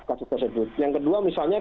kasus tersebut yang kedua misalnya